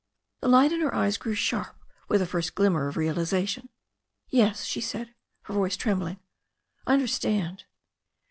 The light in her eyes grew sharp w^ith a first glimmer of realization. "Yes," she said, her voice trembling. "I understand."